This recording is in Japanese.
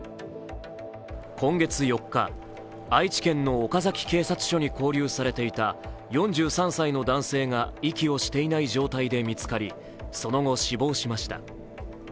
今月４日、愛知県の岡崎警察署に勾留されていた４３歳の男性が息をしていない状態で見つかり、その後、死亡しました。